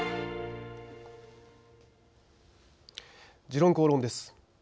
「時論公論」です。